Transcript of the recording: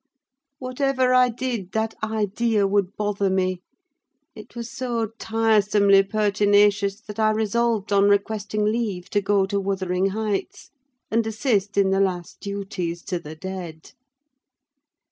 Whatever I did, that idea would bother me: it was so tiresomely pertinacious that I resolved on requesting leave to go to Wuthering Heights, and assist in the last duties to the dead.